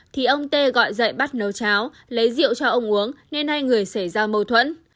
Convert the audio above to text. thì ông tê gọi dậy bắt nấu cháo lấy rượu cho ông uống nên hai người xảy ra mâu thuẫn